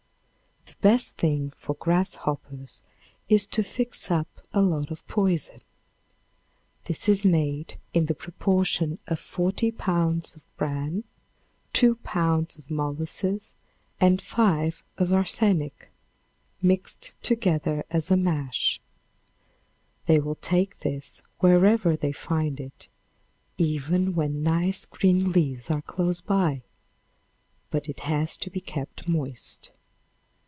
The best thing for grasshoppers is to fix up a lot of poison. This is made in the proportion of 40 pounds of bran, 2 pounds of molasses and 5 of arsenic, mixed together as a mash. They will take this wherever they find it, even when nice green leaves are close by, but it has to be kept moist.